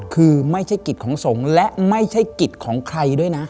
คือไม่ใช่กิจของสงฆ์และไม่ใช่กิจของใครด้วยนะ